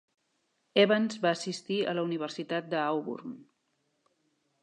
Evans va assistir a la Universitat de Auburn.